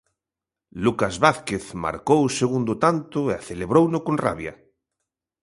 Lucas Vázquez marcou o segundo tanto e celebrouno con rabia.